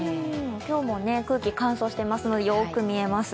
今日も空気、乾燥していますのでよく見えます。